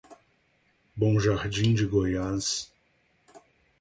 Bom Jardim de Goiás